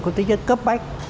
có tính chất cấp bách